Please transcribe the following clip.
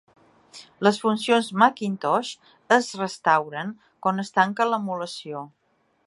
Les funcions Macintosh es restauren quan es tanca l'emulació.